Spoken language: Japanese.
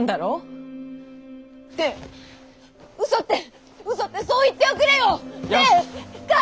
うそってうそってそう言っておくれよ！ねぇ！